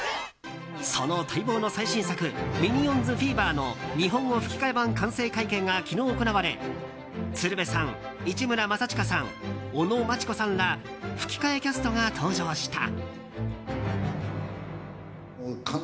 その待望の最新作「ミニオンズフィーバー」の日本語吹き替え版完成会見が昨日、行われ鶴瓶さん、市村正親さん尾野真千子さんら吹き替えキャストが登場した。